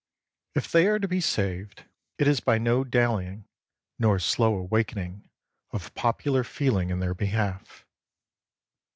If they are to be saved, it is by no dallying, nor slow awakening of popular feeling in their behalf.